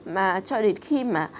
mà cho đến khi mà